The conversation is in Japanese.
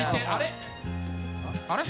あれ？